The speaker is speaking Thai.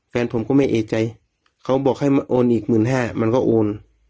แฟนผมก็ไม่เอกใจเขาบอกให้มาโอนอีกหมื่นห้ามันก็โอน